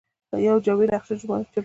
یوه جامع نقشه چمتو کوي.